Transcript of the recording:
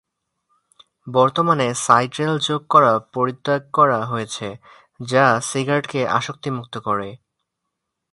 বর্তমানে, সাইট্রেল যোগ করা পরিত্যাগ করা হয়েছে, যা সিগারেটকে আসক্তিমুক্ত করে।